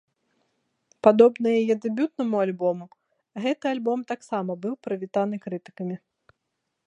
Падобна яе дэбютнаму альбому, гэты альбом таксама быў прывітаны крытыкамі.